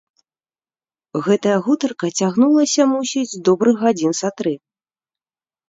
Гэтая гутарка цягнулася, мусіць, добрых гадзін са тры.